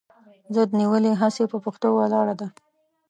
ضد نیولې هسې پهٔ پښتو ولاړه ده